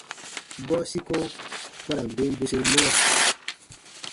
Gɔɔ sikobu ba ra n ben bweseru mɔwa.